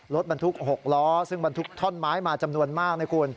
รถบรรทุก๖ล้อซึ่งบรรทุกท่อนไม้มาจำนวนมากนะคุณ